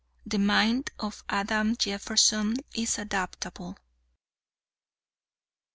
The mind of Adam Jeffson is adaptable.